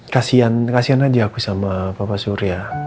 kasian kasian aja aku sama bapak surya